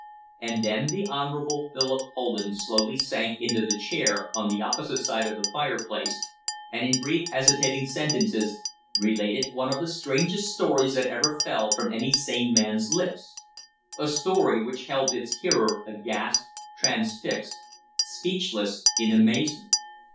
And then the Honourable Philip Poland slowly sank into the chair on the opposite side of the fireplace, and in brief, hesitating sentences related one of the strangest stories that ever fell from any sane man's lips a story which held its hearer aghast, transfixed, speechless in amazement.